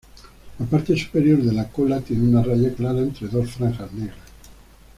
La parte superior de la cola tiene una raya clara entre dos franjas negras.